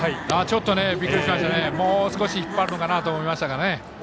もうちょっと引っ張るかなと思いましたが。